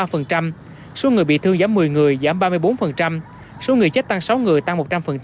vụ tai nạn giao thông giảm một mươi người giảm ba mươi bốn số người chết tăng sáu người tăng một trăm linh